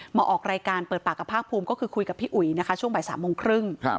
มาออกรายการเปิดปากกับภาคภูมิก็คือคุยกับพี่อุ๋ยนะคะช่วงบ่าย๓โมงครึ่ง